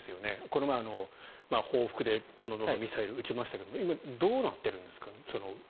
この前、報復でどんどんミサイルを撃ちましたけど今、どうなっているんですか。